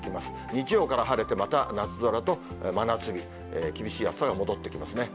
日曜から晴れて、また夏空と真夏日、厳しい暑さが戻ってきますね。